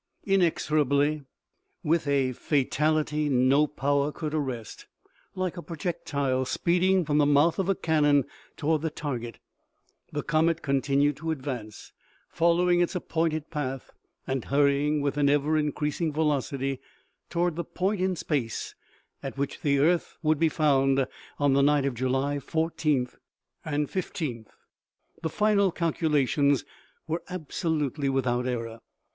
INEXORABLY, with a fatality no power could arrest, like a projectile speeding from the mouth of a cannon toward the target, the comet continued to advance, following its appointed path, and hurrying, with an ever increasing velocity, toward the point in space at which the earth would be found on the night of July 14 15. The final calculations were absolutely without error.